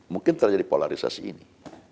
mungkin terjadi polarisasi ini